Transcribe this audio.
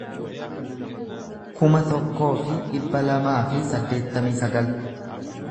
kuma tokkoo fi dhibba lamaa fi saddeettamii sagal